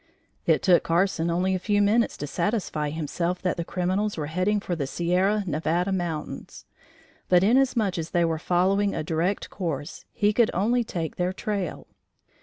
It took Carson only a few minutes to satisfy himself that the criminals were heading for the Sierra Nevada Mountains, but, inasmuch as they were following a direct course, he could only take their trail.